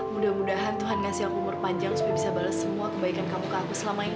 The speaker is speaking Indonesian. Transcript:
mudah mudahan tuhan ngasih aku umur panjang supaya bisa bales semua kebaikan kamu ke aku selama ini